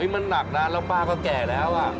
มันหนักนะแล้วป้าก็แก่แล้ว